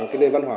cái nền văn hóa